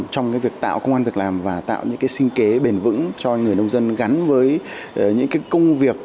trong việc tạo công an việc làm và tạo những sinh kế bền vững cho người nông dân gắn với những công việc